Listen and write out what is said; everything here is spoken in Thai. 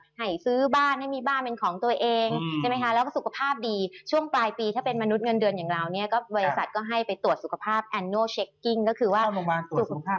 เพราะว่าระยะสั้นรู้สึกว่าทางสะดวกนะครับเพราะว่าระยะสั้นรู้สึกว่าทางสะดวกนะครับเพราะว่าระยะสั้นรู้สึกว่าทางสะดวกนะครับเพราะว่าระยะสั้นรู้สึกว่าทางสะดวกนะครับเพราะว่าระยะสั้นรู้สึกว่าทางสะดวกนะครับเพราะว่าระยะสั้นรู้สึกว่าทางสะดวกนะครับเพราะว่าระยะสั้นรู้สึกว่าทางสะดวกนะครับเพราะ